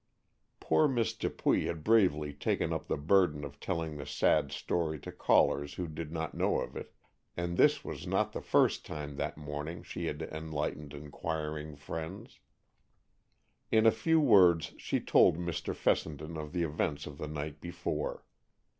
Poor Miss Dupuy had bravely taken up the burden of telling the sad story to callers who did not know of it, and this was not the first time that morning she had enlightened inquiring friends. In a few words she told Mr. Fessenden of the events of the night before.